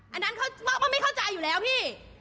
อันนั้นเขาไม่เข้าใจอยู่แล้วพี่